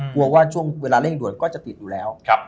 กลัวว่าเวลาเร่งด่วนก็จะติดอยู่แล้ว